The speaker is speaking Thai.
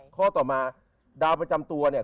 ข้อต่อมาดาวประจำตัวเนี่ย